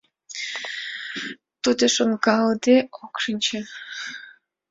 Тудат шонкалыде ок шинче.